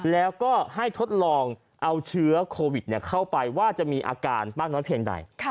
แล้วก็ให้ทดลองเอาเชื้อโควิดเข้าไปว่าจะมีอาการมากน้อยเพียงใด